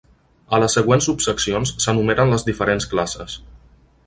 A les següents subseccions s'enumeren les diferents classes.